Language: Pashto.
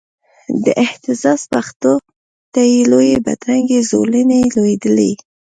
د اهتزاز پښو ته یې لویي بدرنګې زولنې لویدلې